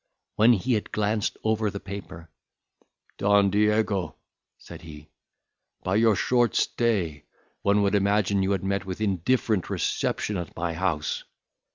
When he had glanced over the paper, "Don Diego," said he, "by your short stay one would imagine you had met with indifferent reception at my house.